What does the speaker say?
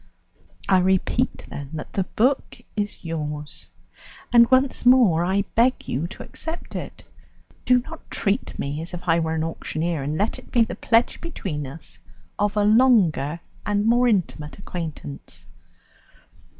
I repeat, then, that the book is yours, and once more I beg you to accept it; do not treat me as if I were an auctioneer, and let it be the pledge between us of a longer and more intimate acquaintance."